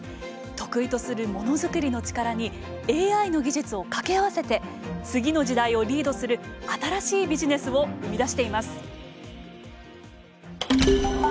得意とするものづくりの力にＡＩの技術をかけ合わせて次の時代をリードする新しいビジネスを生みだしています。